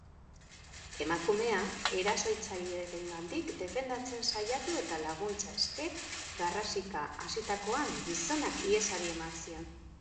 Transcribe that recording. Emakumea erasotzailearengandik defendatzen saiatu eta laguntza eske garrasika hasitakoan gizonak ihesari eman zion.